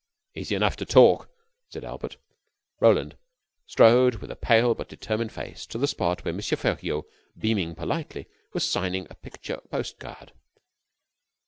"Easy enough to talk," said Albert. Roland strode with a pale but determined face to the spot where M. Feriaud, beaming politely, was signing a picture post card.